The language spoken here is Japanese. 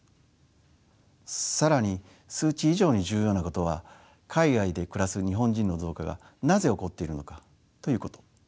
更に数値以上に重要なことは海外で暮らす日本人の増加がなぜ起こっているのかということ。